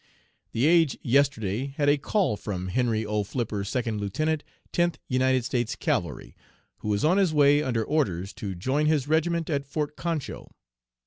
"The Age yesterday had a call from Henry O. Flipper second lieutenant Tenth United States Cavalry, who is on his way under orders to join his regiment at Fort Concho.